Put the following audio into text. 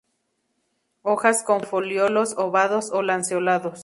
Hojas con folíolos ovados a lanceolados.